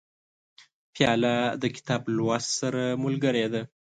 پیاله د کتاب لوست سره ملګرې ده.